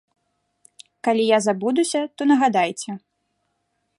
Калі я забудуся, то нагадайце.